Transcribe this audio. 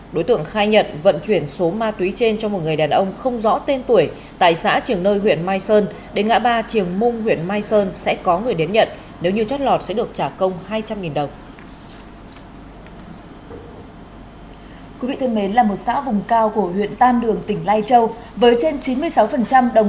đối tượng khai nhận vận chuyển số ma túy trên cho một người đàn ông không rõ tên tuổi tại xã trường nơi huyện mai sơn đến ngã ba triều mung huyện mai sơn sẽ có người đến nhận nếu như chót lọt sẽ được trả công hai trăm linh đồng